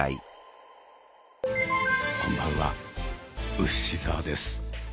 こんばんはウシ澤です。